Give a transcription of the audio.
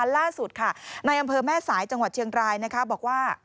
ล่าสุดค่ะในอำเภอแม่สายจังหวัดเชียงรายบอกว่า